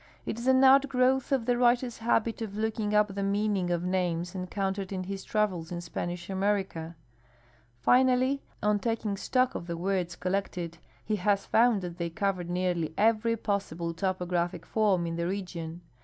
It is an outgrowth of the writer's hal)it of looking up the meaning of names encountered in his travels in S}>anish America. Finally, on taking stock of tlie words collected, he has found that they cover nearly every possible topographic form in the region.